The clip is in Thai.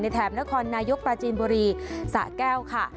แถบนครนายกปราจีนบุรีสะแก้วค่ะ